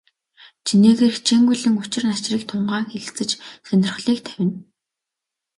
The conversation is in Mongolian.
Чинээгээр хичээнгүйлэн учир начрыг тунгаан хэлэлцэж, сонирхлыг тавина.